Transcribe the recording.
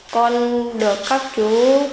con được các chú